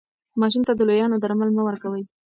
ماشوم ته د لویانو درمل مه ورکوئ.